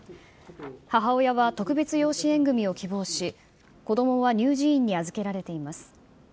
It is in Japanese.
母親は特別養子縁組みを希望し、子どもは乳児院に預けられています。